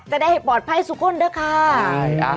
จะได้ปลอดภัยสุขลด้วยค่ะ